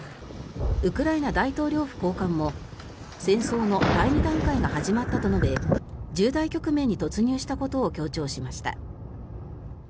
ウクライナ大統領府高官も戦争の第２段階が始まったと述べ重大局面に突入したことを強調しました。